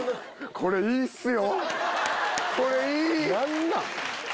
これいいっすよ！